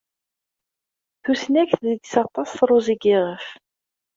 Tusnakt degs aṭas truẓi n yiɣef.